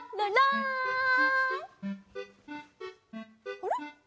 あれ。